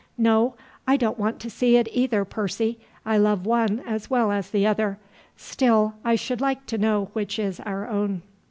"No, I don't want to see it either, Percy; I love one as well as the other. Still I should like to know which is our own."